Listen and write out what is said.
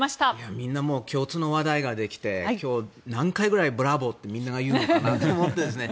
みんな共通の話題ができて今日、何回くらいブラボーって言うのかなと思って。